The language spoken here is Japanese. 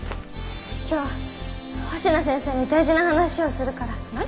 今日星名先生に大事な話をするから。何！？